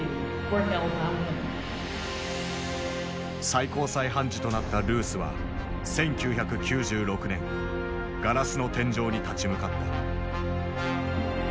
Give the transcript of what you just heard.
最高裁判事となったルースは１９９６年ガラスの天井に立ち向かった。